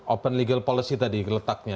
open legal policy tadi letaknya